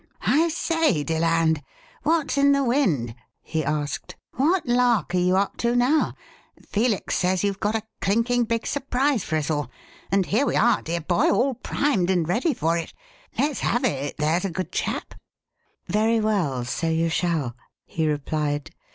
"I say, Deland, what's in the wind?" he asked. "What lark are you up to now? Felix says you've got a clinking big surprise for us all, and here we are, dear boy, all primed and ready for it. Let's have it, there's a good chap." "Very well, so you shall," he replied.